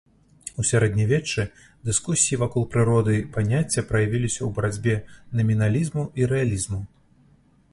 У сярэднявеччы дыскусіі вакол прыроды паняцця праявіліся ў барацьбе наміналізму і рэалізму.